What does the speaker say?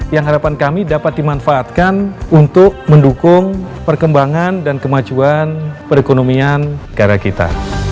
yang harapan kami dapat dimanfaatkan untuk mendukung perkembangan dan kemajuan perekonomian negara kita